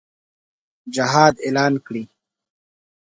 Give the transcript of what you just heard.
جهاد اعلان کړي.